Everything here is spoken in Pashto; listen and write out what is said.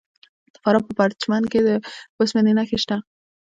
د فراه په پرچمن کې د وسپنې نښې شته.